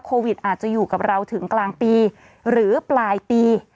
โควิดอาจจะอยู่กับเราถึงกลางปีหรือปลายปี